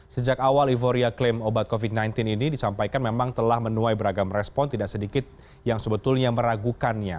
sejak awal euforia klaim obat covid sembilan belas ini disampaikan memang telah menuai beragam respon tidak sedikit yang sebetulnya meragukannya